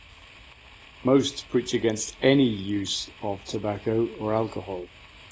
Most preach against any use of tobacco or alcohol.